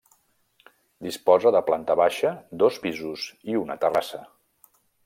Disposa de planta baixa, dos pisos i una terrassa.